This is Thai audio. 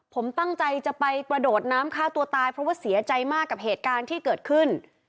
ผมตั้งใจจะไปกระโดดน้ำฆ่าตัวตายเพราะว่าเสียใจมากกับเหตุการณ์ที่เกิดขึ้น